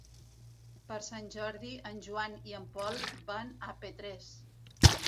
Per Sant Jordi en Joan i en Pol van a Petrés.